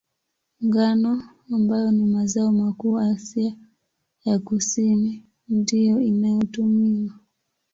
Ngano, ambayo ni mazao makuu Asia ya Kusini, ndiyo inayotumiwa.